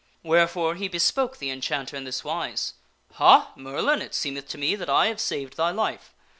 Wherefore he bespoke the Enchanter in this wise, " Ha ! Merlin, it seemeth to me that I have saved thy life.